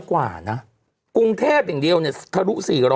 กว่านะกรุงเทพอย่างเดียวเนี่ยทะลุ๔๐๐